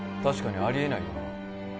確かにあり得ないよな